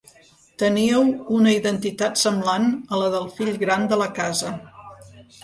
Teníeu una identitat semblant a la del fill gran de la casa.